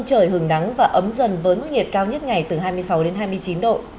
trời hừng nắng và ấm dần với mức nhiệt cao nhất ngày từ hai mươi sáu đến hai mươi chín độ